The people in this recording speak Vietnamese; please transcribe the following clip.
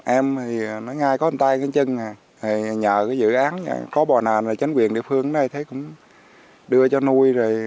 em thì nói ngay có hình tay cái chân nhờ cái dự án có bò nền là chính quyền địa phương thấy cũng đưa cho nuôi